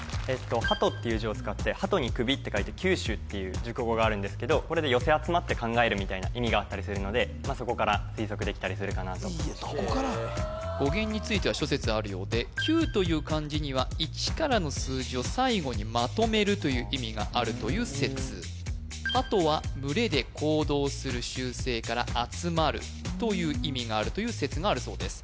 鳩っていう字を使って鳩に首って書いて鳩首って熟語があるんですけどこれで寄せ集まって考えるみたいな意味があったりするのでそこから推測できたりするかなと語源については諸説あるようで九という漢字には一からの数字を最後にまとめるという意味があるという説鳩は群れで行動する習性からあつまるという意味があるという説があるそうです